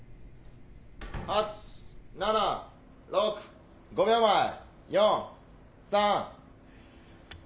８７６５秒前４３。